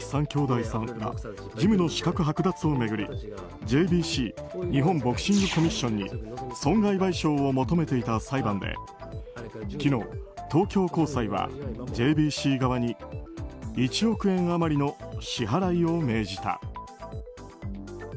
３兄弟らがジムの資格剥奪を巡り、ＪＢＣ・日本ボクシングコミッションに損害賠償を求めていた裁判で昨日、東京高裁はＪＢＣ側に１億円余りの支払いを命じた。